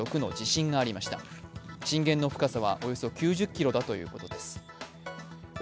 震源の深さはおよそ９０ｋｍだということです。